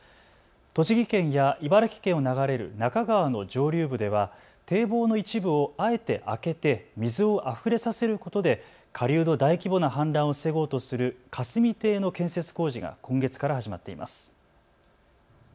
栃木県や茨城県を流れる那珂川の上流部では堤防の一部をあえて開けて水をあふれさせることで下流の大規模な氾濫を防ごうとする霞堤の建設工事が今月から始まっています。